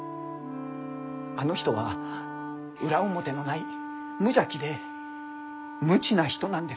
あの人は裏表のない無邪気で無知な人なんです。